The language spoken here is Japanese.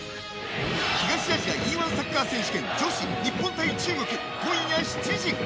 東アジアＥ‐１サッカー選手権女子、日本対中国